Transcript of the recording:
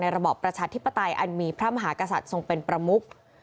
ระบอบประชาธิปไตยอันมีพระมหากษัตริย์ทรงเป็นประมุก